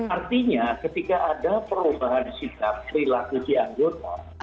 artinya ketika ada perubahan sikap di lakuki anggota